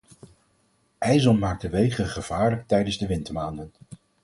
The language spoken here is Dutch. Ijzel maakt de wegen gevaarlijk tijdens de wintermaanden.